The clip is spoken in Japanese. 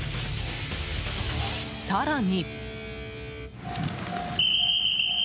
更に。